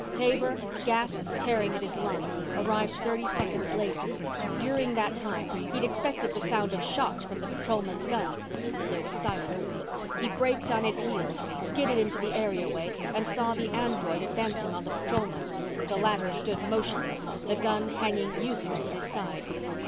Taber, gasps tearing at his lungs, arrived thirty seconds later. During that time, he'd expected the sound of shots from the patrolman's gun. But there was silence. He braked on his heels, skidded into the areaway, and saw the android advancing on the patrolman. The latter stood motionless, the gun hanging useless at his side.